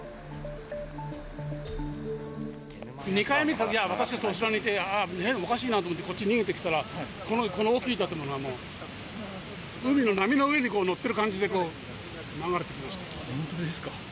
２回目のときは私、そちらにいて、あー、おかしいなと思って、こっち逃げてきたら、この大きい建物がもう、海の波の上に乗ってる感じでこう流れてき本当ですか。